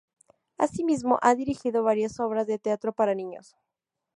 Asimismo, ha dirigido varias obras de teatro para niños.